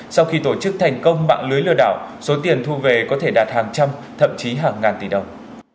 sau khi tổ chức thành công mạng lưới lừa đảo số tiền thu về có thể đạt hàng trăm thậm chí hàng ngàn tỷ đồng